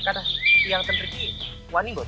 karena yang terdiri kemarin pak